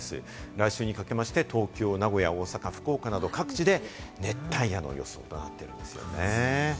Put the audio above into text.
来週にかけまして東京、名古屋、大阪、福岡など各地で熱帯夜の予想となっているんですよね。